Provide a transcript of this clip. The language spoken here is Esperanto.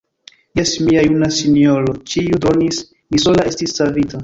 Jes, mia juna sinjoro, ĉiuj dronis; mi sola estis savita.